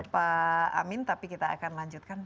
pak amin tapi kita akan lanjutkan